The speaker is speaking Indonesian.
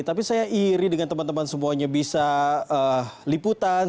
tapi saya iri dengan teman teman semuanya bisa liputan